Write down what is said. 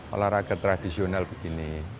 olahraga tradisional begini